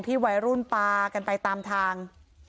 ที่ไว้รุ่นปากันไปตามทาง